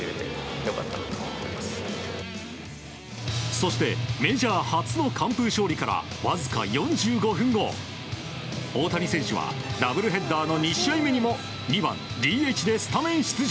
そして、メジャー初の完封勝利からわずか４５分後大谷選手はダブルヘッダーの２試合目にも２番ＤＨでスタメン出場。